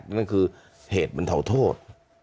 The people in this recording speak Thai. นั่นคือเหตุบรรเทาโทษ